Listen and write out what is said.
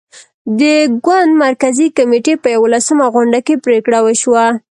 د ګوند مرکزي کمېټې په یوولسمه غونډه کې پرېکړه وشوه.